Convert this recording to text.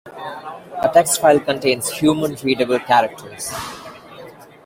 A text file contains human-readable characters.